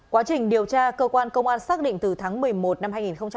quá trình điều tra cơ quan công an xác định từ tháng một mươi một năm hai nghìn hai mươi ba